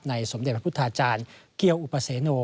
สมเด็จพระพุทธาจารย์เกียวอุปเสโน